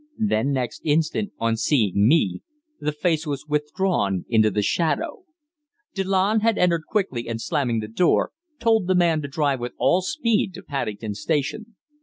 Then, next instant, on seeing me, the face was withdrawn into the shadow. Delanne had entered quickly, and, slamming the door, told the man to drive with all speed to Paddington Station.